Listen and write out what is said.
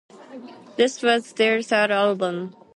This was their third album.